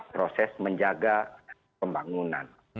proses menjaga pembangunan